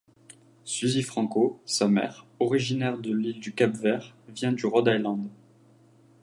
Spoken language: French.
Susi Franco, sa mère, originaire de l'île du Cap Vert, vient du Rhode Island.